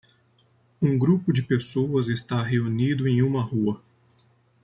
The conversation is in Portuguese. Um grupo de pessoas está reunido em uma rua.